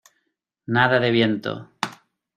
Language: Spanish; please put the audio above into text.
nada de viento.